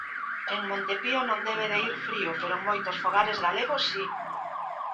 En Monte Pío non debe de ir frío, pero en moitos fogares galegos si.